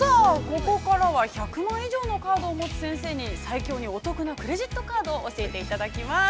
ここからは、１００枚以上のカードを持つ先生に、最強にお得なクレジットカードを教えていただきます。